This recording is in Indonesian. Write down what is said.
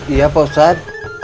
iya pak ustadz